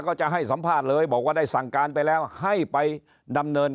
ก็จะให้สัมภาษณ์เลยบอกว่าได้สั่งการไปแล้วให้ไปดำเนิน